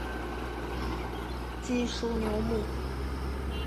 基舒纽姆。